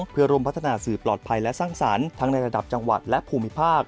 เพื่อร่วมพัฒนาสื่อปลอดภัยและสร้างสรรค์ทั้งในระดับจังหวัดและภูมิภาค